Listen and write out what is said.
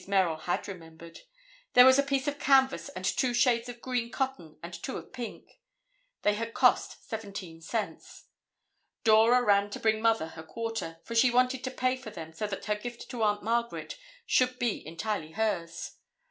Merrill had remembered. There was a piece of canvas and two shades of green cotton and two of pink. They had cost seventeen cents. Dora ran to bring Mother her quarter, for she wanted to pay for them so that her gift to Aunt Margaret should be entirely hers.